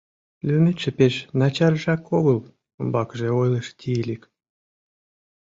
— Лӱметше пеш начаржак огыл, — умбакыже ойлыш Тиилик.